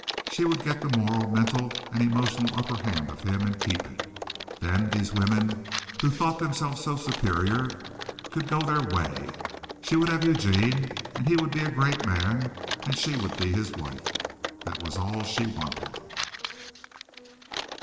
She would get the moral, mental and emotional upper hand of him and keep it. Then these women, who thought themselves so superior, could go their way. She would have Eugene and he would be a great man and she would be his wife. That was all she wanted.